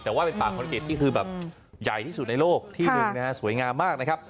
แต่ว่าเป็นป่าคอนเก็ตที่คือแบบใหญ่ที่สุดในโลกที่หนึ่งนะฮะสวยงามมากนะครับ